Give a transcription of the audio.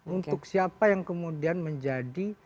untuk siapa yang kemudian menjadi